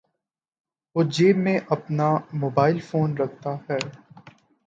وہ جیب میں اپنا موبائل فون رکھتا ہے۔